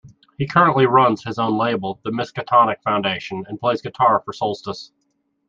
He currently runs his own label The Miskatonic Foundation and plays guitar in Solstice.